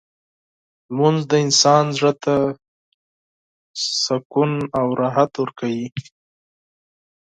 لمونځ د انسان زړه ته سکون او راحت ورکوي.